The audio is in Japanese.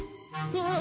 うん。